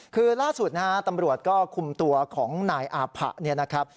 คือล่าสุดตำรวจก็คุมตัวของนายอ่าผะ